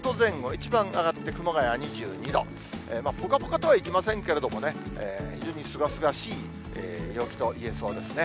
一番上がって熊谷２２度、ぽかぽかとはいきませんけれどもね、非常にすがすがしい陽気といえそうですね。